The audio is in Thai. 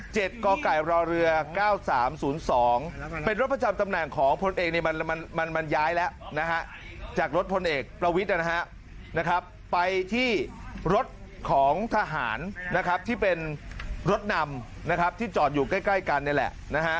เจ็ดก่อไก่รอเรือ๙๓๐๒เป็นรถประจำตำแหน่งของพลเอกมันย้ายแล้วจากรถพลเอกประวิษฐ์ไปที่รถของทหารที่เป็นรถนำที่จอดอยู่ใกล้กันนี่แหละ